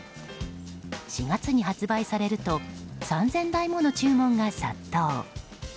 ４月に発売されると３０００台もの注文が殺到。